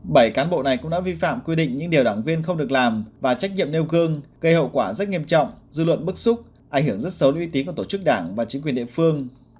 bảy cán bộ này cũng đã vi phạm quy định những điều đảng viên không được làm và trách nhiệm nêu gương gây hậu quả rất nghiêm trọng dư luận bức xúc ảnh hưởng rất xấu uy tín của tổ chức đảng và chính quyền địa phương